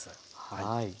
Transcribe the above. はい。